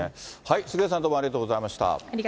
杉上さん、どうもありがとうございました。